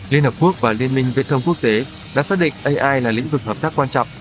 liên hợp quốc và liên minh viễn thông quốc tế đã xác định ai là lĩnh vực hợp tác quan trọng